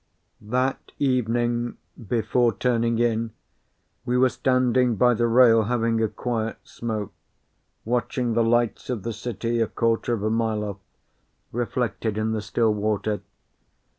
That evening, before turning in, we were standing by the rail having a quiet smoke, watching the lights of the city, a quarter of a mile off, reflected in the still water.